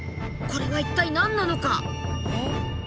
これは一体何なのか？